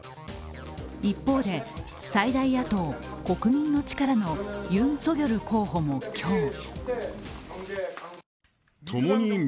一方で最大野党、国民の力のユン・ソギョル候補も今日